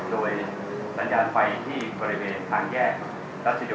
จุดะโดยสัญญาณไฟที่บริเวณทางแยกรัศจิโดทิน